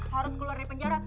harus keluar dari penjara